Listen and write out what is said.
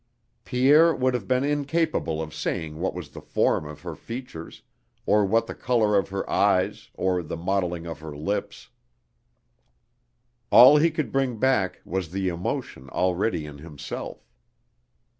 Pierre would have been incapable of saying what was the form of her features or what the color of her eyes or the modeling of her lips. All he could bring back was the emotion already in himself.